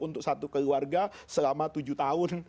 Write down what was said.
untuk satu keluarga selama tujuh tahun